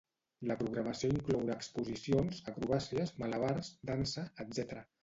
La programació inclourà exposicions, acrobàcies, malabars, dansa, etc.